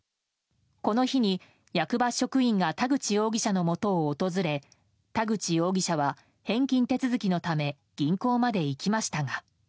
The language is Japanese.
この日に役場職員が田口容疑者のもとを訪れ田口容疑者は返金手続きのため銀行まで行きましたが。